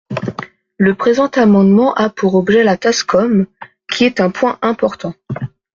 Le présent amendement a pour objet la TASCOM, qui est un point important.